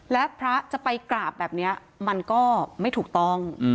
และพระจะไปกราบแบบนี้มันก็ไม่ถูกต้อง